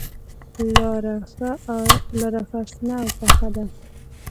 لاره ښه شنه او پوخه ده.